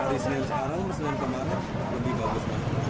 dari senin sekarang ke senin kemarin lebih bagus